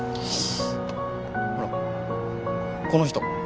ほらこの人。